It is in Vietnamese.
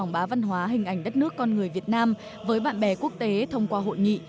bá văn hóa hình ảnh đất nước con người việt nam với bạn bè quốc tế thông qua hội nghị